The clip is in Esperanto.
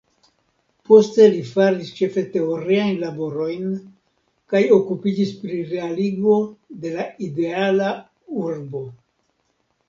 Poste li faris ĉefe teoriajn laborojn kaj okupiĝis pri realigo de la ideala urbo.